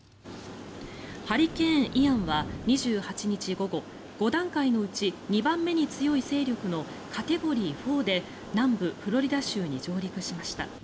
ハリケーン、イアンは２８日午後５段階のうち２番目に強い勢力のカテゴリー４で南部フロリダ州に上陸しました。